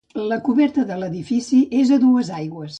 La coberta de l'edifici és a dues aigües.